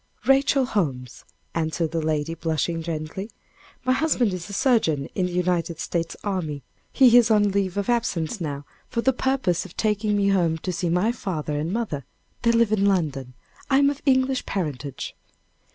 "Rachel Holmes," answered the lady, blushing gently. "My husband is a surgeon in the United States army. He is on leave of absence now for the purpose of taking me home to see my father and mother they live in London. I am of English parentage."